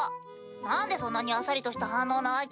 何でそんなにあっさりとした反応なわけ？